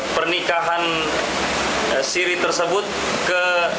pernikahan siri tersebut ke